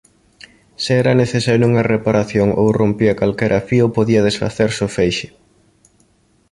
Se era necesario unha reparación ou rompía calquera fío podía desfacerse o feixe.